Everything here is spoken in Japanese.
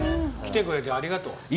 来てくれてありがとう。